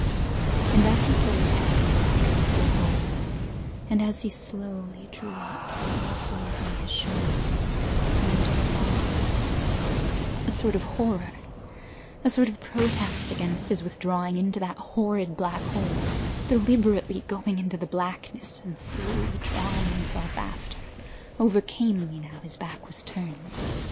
And as he put his head into that dreadful hole, And as he slowly drew up, snake easing his shoulders, and entered further, A sort of horror, a sort of protest against his withdrawing into that horrid black hole, Deliberately going into the blackness, and slowly drawing himself after, Overcame me now his back was turned.